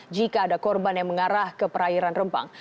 jika ada korban yang mengarah ke perairan rembang